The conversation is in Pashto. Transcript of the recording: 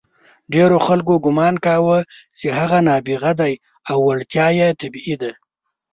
ډېرو خلکو ګمان کاوه چې هغه نابغه دی او وړتیا یې طبیعي ده.